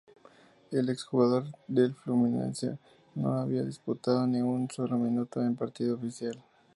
El exjugador del Fluminense no había disputado ni un solo minuto en partido oficial.